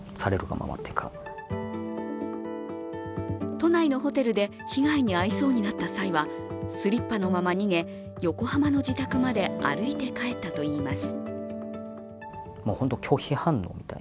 都内のホテルで被害に遭いそうになった際はスリッパのまま逃げ、横浜の自宅まで歩いて帰ったといいます。